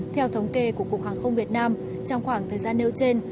theo thống kê của cục hàng không việt nam trong khoảng thời gian nêu trên